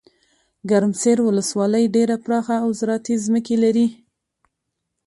ګرمسیرولسوالۍ ډیره پراخه اوزراعتي ځمکي لري.